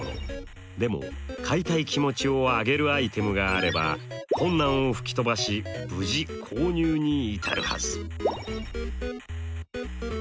でも買いたい気持ちを上げるアイテムがあれば困難を吹き飛ばし無事購入に至るはず。